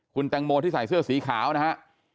คุณแตงโมที่ใส่เสื้อสีขาวนะฮะ